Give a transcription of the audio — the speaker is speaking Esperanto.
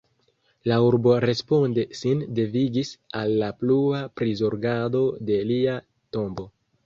La urbo responde sin devigis al la plua prizorgado de lia tombo.